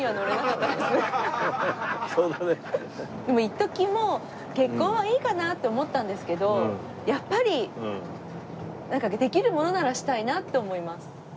でも一時もう結婚はいいかなって思ったんですけどやっぱりできるものならしたいなって思います。